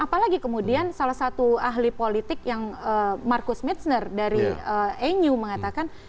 apalagi kemudian salah satu ahli politik yang markus mitschner dari enu mengatakan